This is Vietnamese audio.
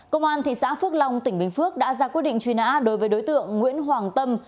công an thị xã phước long tỉnh bình phước đã ra quyết định truy nã đối với đối tượng nguyễn hoàng tâm